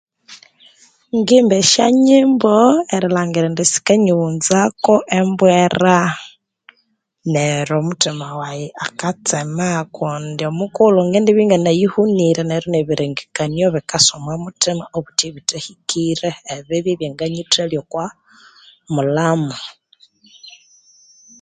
Ngimba esya nyimbo erilhangira indi sikanyiwunza ko kwembwera neryo omuthima wayi aka tsema kundi omukughulhu ngendibya ingana yihunire ebirengekanio bikasa omu muthima obuthi ebithahikire, ebibi ebyanga nyithalya okwa mulhamu